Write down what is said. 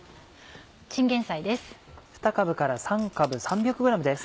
チンゲンサイです。